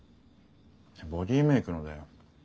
ボディーメークのだよ。